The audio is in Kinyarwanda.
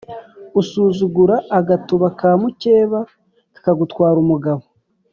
Usuzugura agatuba ka mucyeba kakagutwara umugabo.